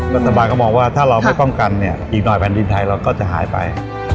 รัฐบาลก็มองว่าถ้าเราไม่ป้องกันเนี่ยอีกหน่อยแผ่นดินไทยเราก็จะหายไป